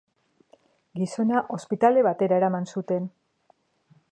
Gizona ospitale batera eraman zuten.